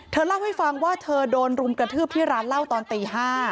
เล่าให้ฟังว่าเธอโดนรุมกระทืบที่ร้านเหล้าตอนตี๕